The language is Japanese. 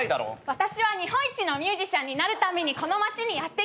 私は日本一のミュージシャンになるためにこの街にやって来た。